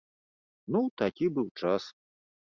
Ну такі быў час.